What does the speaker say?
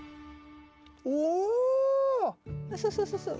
そうそうそうそう。